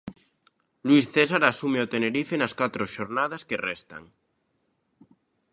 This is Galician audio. Luís César asume o Tenerife nas catro xornadas que restan.